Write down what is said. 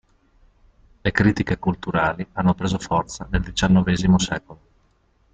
Le critiche culturali hanno preso forza nel diciannovesimo secolo.